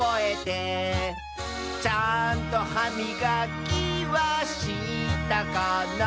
「ちゃんとはみがきはしたかな」